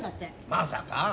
まさか。